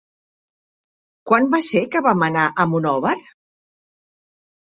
Quan va ser que vam anar a Monòver?